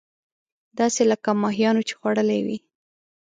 داسې لکه ماهيانو چې خوړلې وي.